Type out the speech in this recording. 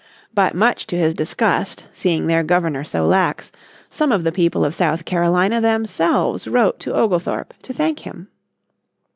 But much to his disgust, seeing their Governor so lax, some of the people of South Carolina themselves wrote to Oglethorpe to thank him.